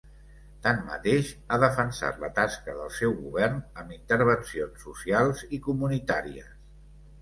Tanmateix, ha defensat la tasca del seu govern amb intervencions socials i comunitàries.